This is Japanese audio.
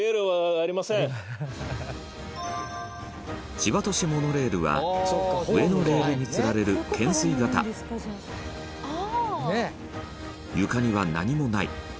千葉都市モノレールは上のレールにつられる懸垂型床には何もない石原：